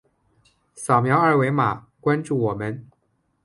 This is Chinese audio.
扫描二维码关注我们。